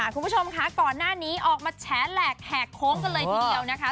คุณผู้ชมค่ะก่อนหน้านี้ออกมาแฉแหลกแหกโค้งกันเลยทีเดียวนะคะ